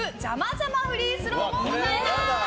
じゃまフリースローもございます。